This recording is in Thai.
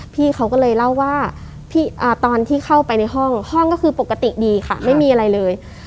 พี่เขาก็เลยเล่าว่าตอนที่เข้าไปในห้องห้องก็คือปกติดีค่ะไม่มีอะไรเลย